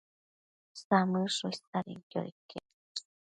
Samëdsho isadenquioda iquec